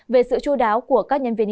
về sự chú đáo của các nhân viên y tế